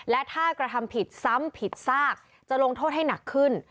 และถ้ากระทำผิดซ้ำผิดซากจะลงโทษให้หนักขึ้น